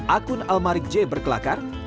akun almarik j berkelakar